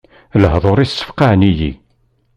Lehduṛ-is ssfeqɛen-iyi.